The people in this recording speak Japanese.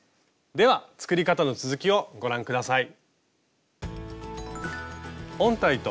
では作り方の続きをご覧下さい。